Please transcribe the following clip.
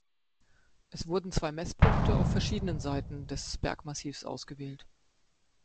Es wurden zwei Messpunkte auf verschiedenen Seiten des Bergmassivs ausgewählt.